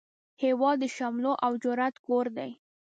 هیواد د شملو او جرئت کور دی